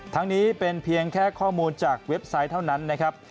ทั้งนี้เป็นเพียงแค่ข้อมูลจากเว็บไซต์เท่านั้นนะครับ